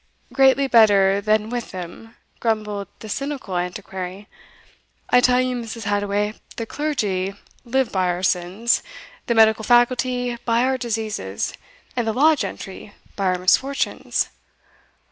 "Greatly better than with them," grumbled the cynical Antiquary. "I tell you, Mrs. Hadoway, the clergy live by our sins, the medical faculty by our diseases, and the law gentry by our misfortunes."